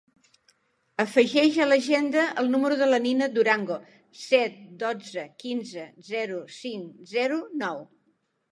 Afegeix a l'agenda el número de la Nina Durango: set, dotze, quinze, zero, cinc, zero, nou.